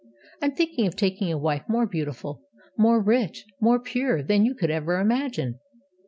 'I am thinking of taking a wife more beautiful, more rich, more pure than you could ever imagine.'